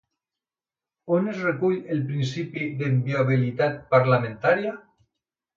On es recull el principi d'inviolabilitat parlamentària?